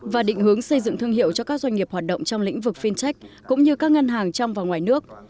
và định hướng xây dựng thương hiệu cho các doanh nghiệp hoạt động trong lĩnh vực fintech cũng như các ngân hàng trong và ngoài nước